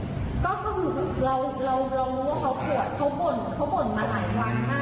ก็คือเรารู้ว่าเขาปวดเขาบ่นเขาบ่นมาหลายวันมาก